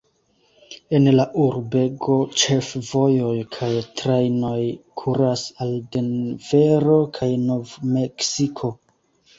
El la urbego ĉefvojoj kaj trajnoj kuras al Denvero kaj Nov-Meksiko.